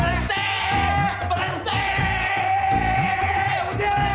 udah bangun bangun